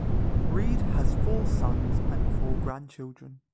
Reid has four sons and four grandchildren.